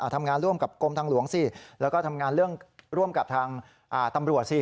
ทำงานร่วมกับกรมทางหลวงสิแล้วก็ทำงานร่วมกับทางตำรวจสิ